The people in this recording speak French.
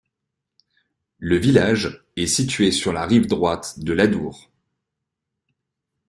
Le village est situé sur la rive droite de l'Adour.